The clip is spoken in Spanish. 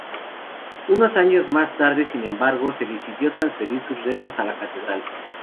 Unos años más tarde, sin embargo, se decidió transferir sus restos a la catedral.